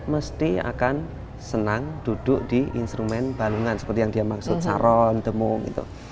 mesti akan senang duduk di instrumen balungan seperti yang dia maksud saron demung gitu